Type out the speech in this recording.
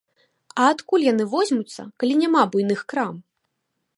А адкуль яны возьмуцца, калі няма буйных крам?